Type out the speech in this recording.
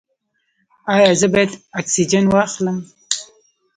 ایا زه باید اکسیجن واخلم؟